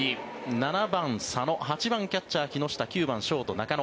７番、佐野８番キャッチャー、木下９番ショート、佐野。